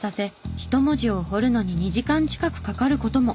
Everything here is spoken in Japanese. １文字を彫るのに２時間近くかかる事も。